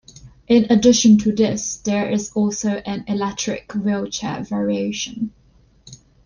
In addition to this, there is also an electric wheelchair variation.